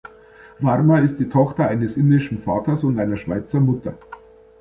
Varma ist die Tochter eines indischen Vaters und einer Schweizer Mutter.